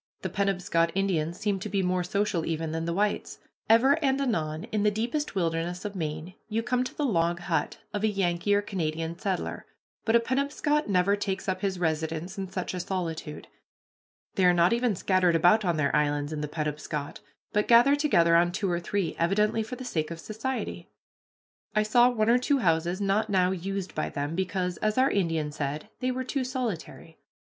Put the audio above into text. The Penobscot Indians seem to be more social even than the whites. Ever and anon in the deepest wilderness of Maine you come to the log hut of a Yankee or Canada settler, but a Penobscot never takes up his residence in such a solitude. They are not even scattered about on their islands in the Penobscot, but gathered together on two or three, evidently for the sake of society. I saw one or two houses not now used by them, because, as our Indian said, they were too solitary.